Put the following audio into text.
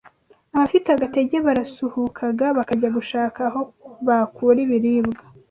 Abafite agatege barasuhukaga bakajya gushaka aho bakura ibiribwa